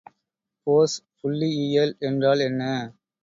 போஸ் புள்ளியியல் என்றால் என்ன?